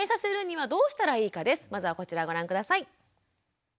まずはこちらご覧下さい。